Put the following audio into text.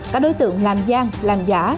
các đối tượng làm gian làm giả